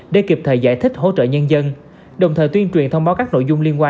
để kịp thời giải thích hỗ trợ nhân dân đồng thời tuyên truyền thông báo các nội dung liên quan